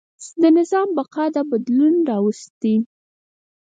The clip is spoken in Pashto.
د نظام بقا دا بدلون راوستی.